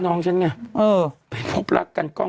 น้องฉันง่ะไปพบลักษณะก่อน